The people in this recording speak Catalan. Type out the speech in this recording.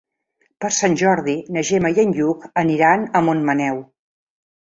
Per Sant Jordi na Gemma i en Lluc aniran a Montmaneu.